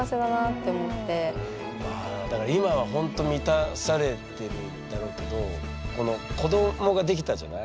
あだから今はほんと満たされてるだろうけど子どもができたじゃない？